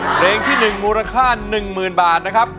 เพลงที่๑มูลค่า๑๐๐๐บาทนะครับ